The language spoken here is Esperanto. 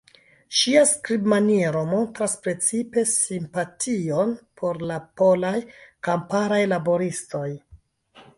Ŝia skribmaniero montras precipe simpation por la polaj kamparaj laboristoj.